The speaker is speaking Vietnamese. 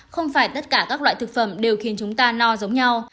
không phải tất cả các loại thực phẩm đều khiến chúng ta no giống nhau